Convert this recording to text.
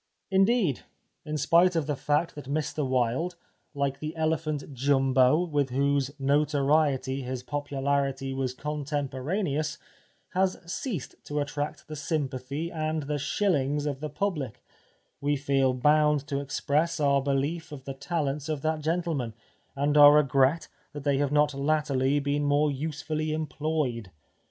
In deed, in spite of the fact that Mr Wilde, hke the elephant Jumbo, with whose notoriety his popularity was contemporaneous, has ceased to attract the sympathy and the shilhngs of the public, we feel bound to express our belief of the talents of that gentleman, and our regret that they have not latterly been more usefully employed.